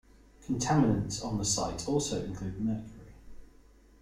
Contaminants on the site also include mercury.